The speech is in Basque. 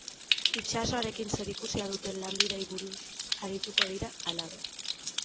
Itsasoarekin zerikusia duten lanbideei buruz arituko dira, halaber.